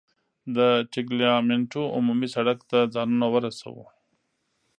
د ټګلیامنتو عمومي سړک ته ځانونه ورسوو.